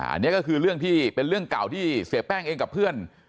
อันนี้ก็คือเรื่องที่เป็นเรื่องเก่าที่เสียแป้งเองกับเพื่อน